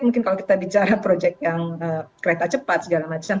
mungkin kalau kita bicara proyek yang kereta cepat segala macam